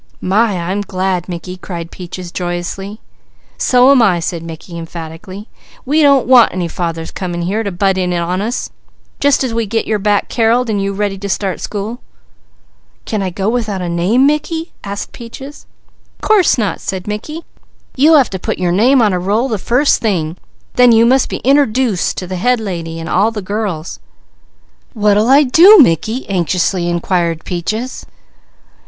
"My I'm glad, Mickey!" cried Peaches joyously. "So am I," said Mickey emphatically. "We don't want any fathers coming here to butt in on us, just as we get your back Carreled and you ready to start to school." "Can I go without a name Mickey?" asked Peaches. "Course not!" said Mickey. "You have to put your name on a roll the first thing, then you must be interdooced to the Head Lady and all the girls." "What'll I do Mickey?" anxiously inquired Peaches.